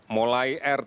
mulai rt rw